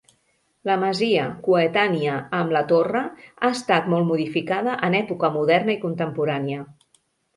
La masia, coetània amb la torre, ha estat molt modificada en època moderna i contemporània.